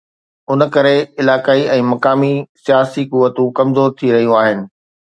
ان ڪري علائقائي ۽ مقامي سياسي قوتون ڪمزور ٿي رهيون آهن.